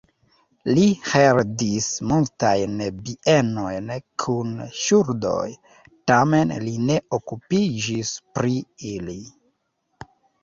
Li heredis multajn bienojn kun ŝuldoj, tamen li ne okupiĝis pri ili.